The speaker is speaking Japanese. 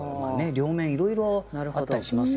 両面いろいろあったりしますよねやっぱりね。